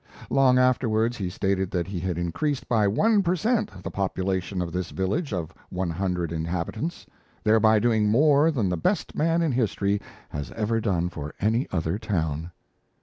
Long afterwards he stated that he had increased by one per cent. the population of this village of one hundred inhabitants, thereby doing more than the best man in history had ever done for any other town.